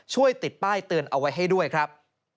ติดป้ายเตือนเอาไว้ให้ด้วยครับ